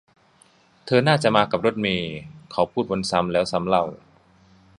เธอน่าจะมากับรถเมย์ เขาพูดวนซ้ำแล้วซ้ำเล่า